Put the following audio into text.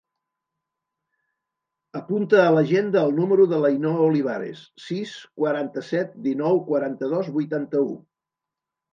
Apunta a l'agenda el número de l'Ainhoa Olivares: sis, quaranta-set, dinou, quaranta-dos, vuitanta-u.